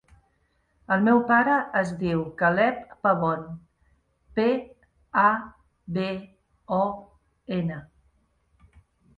El meu pare es diu Caleb Pabon: pe, a, be, o, ena.